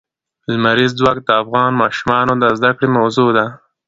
لمریز ځواک د افغان ماشومانو د زده کړې موضوع ده.